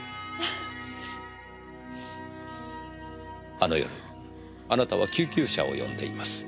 あの夜あなたは救急車を呼んでいます。